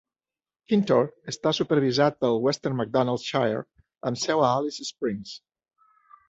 Kintore està supervisat pel Western MacDonnell Shire, amb seu a Alice Springs.